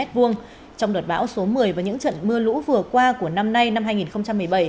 trong đợt bão số một mươi và những trận mưa lũ vừa qua của năm nay năm hai nghìn một mươi bảy